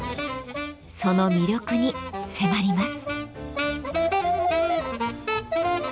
その魅力に迫ります。